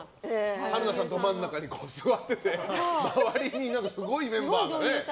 春菜さんがど真ん中に座ってて周りにすごいメンバーがね。